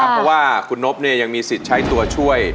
เพราะว่าคุณนบยังมีสิทธิ์ใช้ตัวช่วย